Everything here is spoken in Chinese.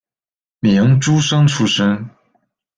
明诸生出身。